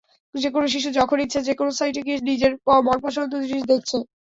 যেকোনো শিশু যখন ইচ্ছা যেকোনো সাইটে গিয়ে নিজের মনপছন্দ জিনিস দেখছে।